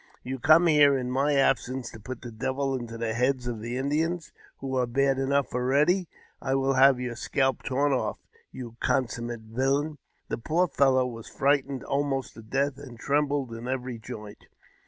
You come here in my absence to put the devil into the heads of the Indians, who are bad enough already? I will have your scalp torn off, you consummate villain !" The poor fellow was frightened almost to death, and trembled in every joint.